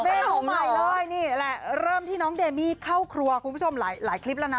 เมนูใหม่เลยนี่แหละเริ่มที่น้องเดมี่เข้าครัวคุณผู้ชมหลายคลิปแล้วนะ